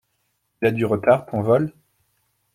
Il a du retard ton vol?